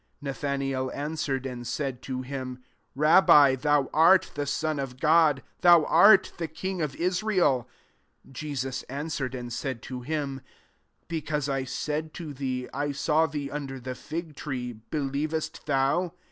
49 Nathanael answered, and said to him, <' RablM, thou art the Son of God ; thou art the king of Israel." 50 Jesus an8wer<^ ami said to him, << Be cause I said te thee, * I saw thee under the fig tree,* be lierest thou?